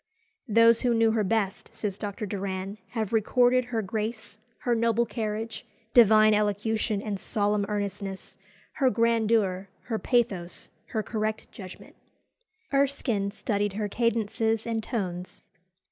"Those who knew her best," says Dr. Doran, "have recorded her grace, her noble carriage, divine elocution and solemn earnestness, her grandeur, her pathos, her correct judgment." Erskine studied her cadences and tones.